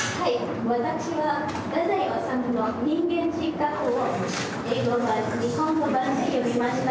私は、太宰治の人間失格を英語版、日本語版で読みました。